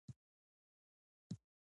هیله نن ښوونځي ته نه ځي هغه لږه ناروغه ده